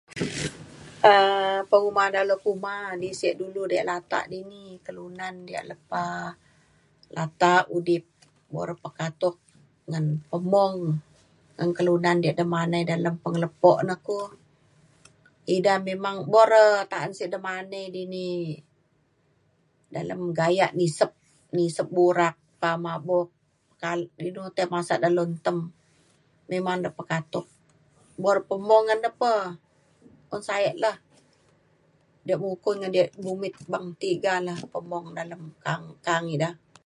um pengemadak le kuma, di sik dulu da' latak dini, kelunan diak lepa latak udip, bo re pekatuk ngan pemung ngan kelunan diak demanai dalem pengelepok ne ku ida memang, bo re ta'an sik demanai dini dalem gayak nisep nisep burak pa mabuk pa- inu tai masat dalau tem memang da pekatuk. bo re pemung ngan re pe un sa'ek le diak mukun ngan diak dumit beng tiga la pemung dalem ka'ang ka'ang ida.